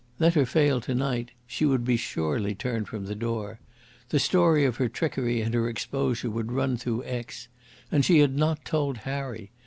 Let her fail to night, she would be surely turned from the door. The story of her trickery and her exposure would run through Aix. And she had not told Harry!